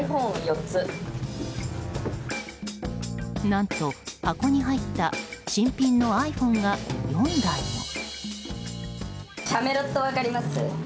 何と箱に入った新品のｉＰｈｏｎｅが４台も。